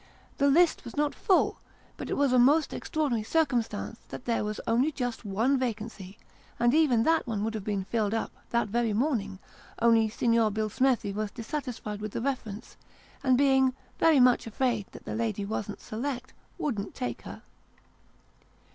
The list was not full, but it was a most extraordinary circumstance that there was only just one vacancy, and even that one would have been filled up, that very morning, only Signor Billsmethi was dissatisfied with the reference, and, being very much afraid that the lady wasn't select, wouldn't take her.